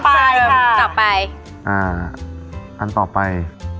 เข้าไปอ่าอันต่อไป